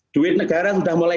duit negara sudah mulai